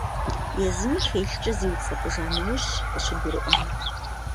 Езыми хеилъкӀэ зиуцӀэпӀыжа нэужьщ къыщыгурыӀуар.